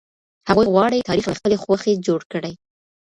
هغوی غواړي تاريخ له خپلي خوښې جوړ کړي.